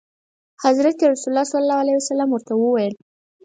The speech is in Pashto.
حضرت رسول صلعم ورته وویل.